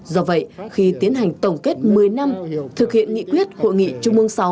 do vậy khi tiến hành tổng kết một mươi năm thực hiện nghị quyết hội nghị trung ương sáu